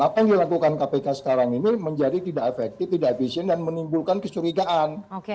apa yang dilakukan kpk sekarang ini menjadi tidak efektif tidak efisien dan menimbulkan kecurigaan